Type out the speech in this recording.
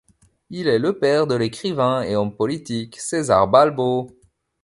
Il est le père de l'écrivain et homme politique, Cesare Balbo.